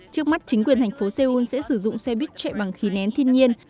trước mắt chính quyền thành phố seoul sẽ sử dụng xe buýt chạy bằng khí nén thiên nhiên